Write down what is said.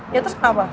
ya terus kenapa